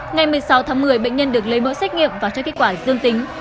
ngày một mươi sáu tháng một mươi bệnh nhân được lấy mẫu xét nghiệm và cho kết quả dương tính